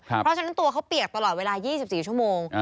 เพราะฉะนั้นตัวเขาเปียกตลอดเวลา๒๔ชั่วโมง